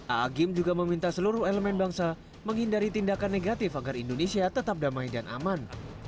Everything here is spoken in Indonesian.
⁇ aagim ⁇ juga meminta seluruh elemen bangsa menghindari tindakan negatif agar indonesia tetap damai dan aman